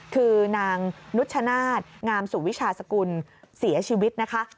คือนางนุชชนาธิ์งามสุวิชาสกุลเสียชีวิตนะคะ